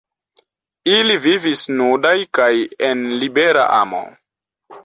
Ili vivis nudaj kaj en libera amo.